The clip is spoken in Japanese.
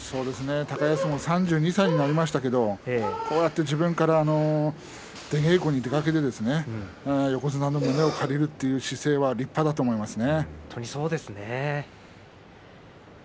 高安も３１歳になりましたが自分から出稽古に出かけて横綱の胸を借りるその姿勢は立派だと思いますよ。